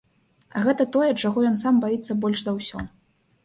А гэта тое, чаго ён сам баіцца больш за ўсё.